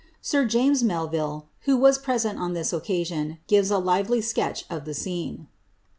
Sir James Melvilk. who was present on this occasion, gives a lively sketch of the scene.